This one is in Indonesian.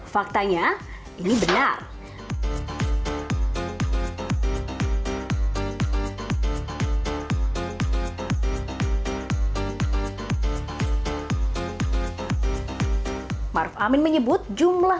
faktanya ini salah